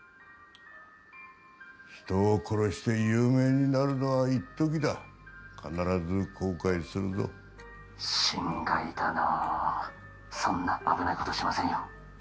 人を殺して有名になるのはいっときだ必ず後悔するぞ心外だなそんな危ないことしませんよ